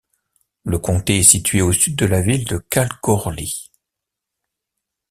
Le comté est situé au sud de la ville de Kalgoorlie.